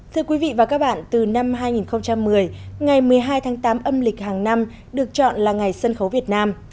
thưa quý vị và các bạn từ năm hai nghìn một mươi ngày một mươi hai tháng tám âm lịch hàng năm được chọn là ngày sân khấu việt nam